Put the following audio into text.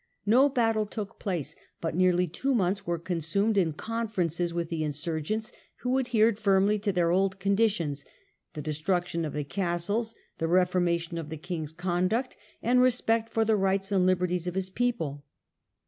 No battle took place ; but nearly two months were con sumed in conferences with the insurgents, who adhered firmly to their old conditions — the destruction of the castles, the reformation of the king's conduct, and respect for the rights and liberties of his people.